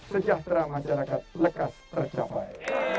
sejahtera masyarakat lekas tercapai